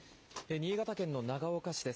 新潟県の長岡市です。